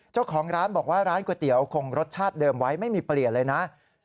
เจ้าของร้านบอกว่าร้านก๋วยเตี๋ยวคงรสชาติเดิมไว้ไม่มีเปลี่ยนเลยนะ